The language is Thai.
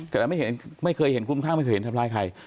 แต่ไม่เคยเห็นคลุมข้างไม่เคยเห็นทำร้ายใคร